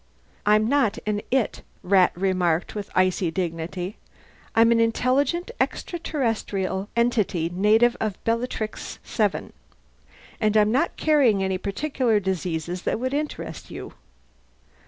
"I'm not an it," Rat remarked with icy dignity. "I'm an intelligent extra terrestrial entity, native of Bellatrix VII. And I'm not carrying any particular diseases that would interest you."